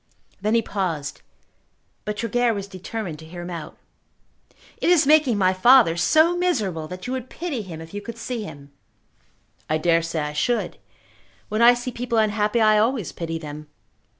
Then he paused, but Tregear was determined to hear him out. "It is making my father so miserable that you would pity him if you could see him." "I dare say I should. When I see people unhappy I always pity them.